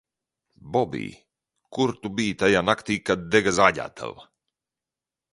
Bobij, kur tu biji tajā naktī, kad dega zāģētava?